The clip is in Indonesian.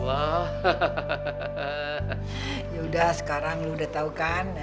yaudah sekarang lu udah tau kan